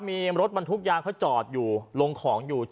มีรถบรรทุกยางเขาจอดอยู่ลงของอยู่